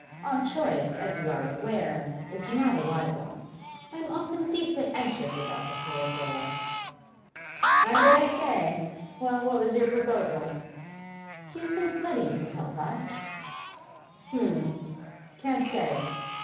Our choice, as you are aware, is not a wide one. I am often deeply anxious about the poor girl.' 'I dare say. Well, what was your proposal?' 'Do you think Letty could help us?' 'H'm, can't say.